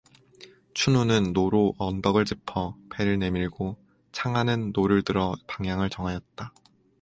춘우는 노로 언덕을 짚어 배를 내밀고 창하는 노를 들어 방향을 정하였다.